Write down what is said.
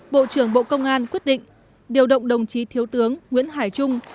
bộ trưởng bộ công an quyết định điều động đồng chí thiếu tướng nguyễn hải trung